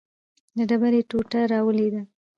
د ډبرې ټوټه راولوېده.